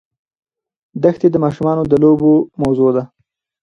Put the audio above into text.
دښتې د ماشومانو د لوبو موضوع ده.